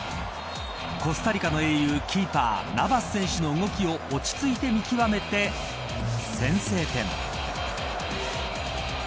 コスタリカの英雄キーパーナバス選手の向きを落ち着いて見極めて、先制点。